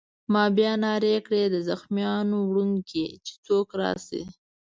ما بیا نارې کړې: د زخمیانو وړونکی! چې څوک راشي.